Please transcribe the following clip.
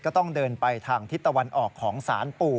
ก็ต้องเดินไปทางทิศตะวันออกของสารปู่